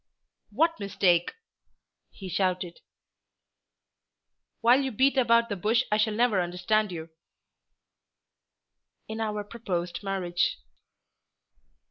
"What mistake?" he shouted. "While you beat about the bush I shall never understand you." "In our proposed marriage."